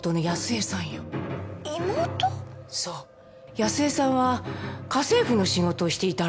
康江さんは家政婦の仕事をしていたらしいの。